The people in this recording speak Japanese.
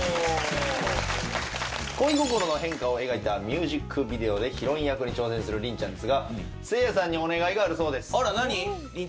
恋心の変化を描いたミュージックビデオでヒロイン役に挑戦する凛ちゃんですがせいやさんにお願いがあるそうです。